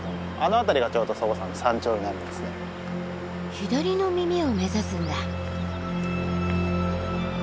左の耳を目指すんだ。